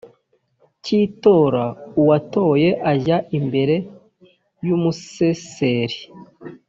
k itora uwatoye ajya imbere y umuseseri